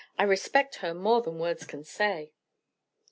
"I respect her more than words can say."